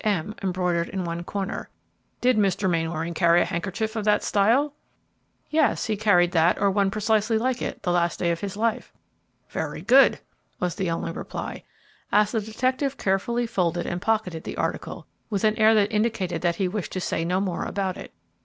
M." embroidered in one corner. "Did Mr. Mainwaring carry a handkerchief of that style?" "Yes; he carried that, or one precisely like it, the last day of his life." "Very good!" was the only reply, as the detective carefully folded and pocketed the article with an air that indicated that he wished to say no more about it.